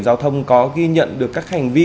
giao thông có ghi nhận được các hành vi